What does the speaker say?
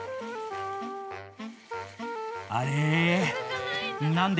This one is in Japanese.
あれ？